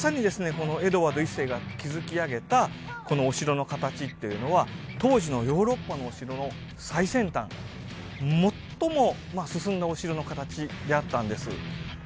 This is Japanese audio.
このエドワード１世が築き上げたこのお城の形っていうのは当時のヨーロッパのお城の最先端最も進んだお城の形であったんです